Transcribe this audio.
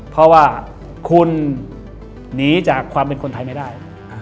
เพราะว่าคุณหนีจากความเป็นคนไทยไม่ได้